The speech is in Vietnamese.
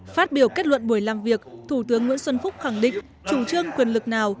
phát biểu kết luận buổi làm việc thủ tướng nguyễn xuân phúc khẳng định chủ trương quyền lực nào